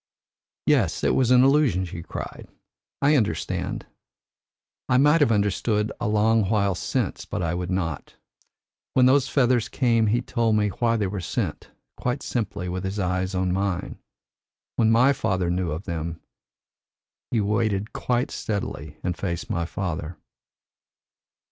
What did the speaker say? "Yes, it was an illusion," she cried. "I understand. I might have understood a long while since, but I would not. When those feathers came he told me why they were sent, quite simply, with his eyes on mine. When my father knew of them, he waited quite steadily and faced my father."